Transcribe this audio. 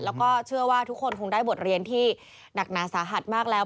แล้วก็เชื่อว่าทุกคนคงได้บทเรียนที่หนักหนาสาหัสมากแล้ว